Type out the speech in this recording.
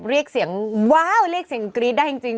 เรียกเสียงว้าวเรียกเสียงกรี๊ดได้จริง